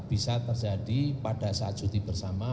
bisa terjadi pada saat cuti bersama